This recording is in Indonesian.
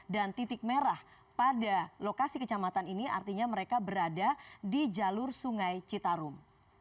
dan titik merah pada lokasi kecamatan ini artinya mereka berada di jalur sungai citarum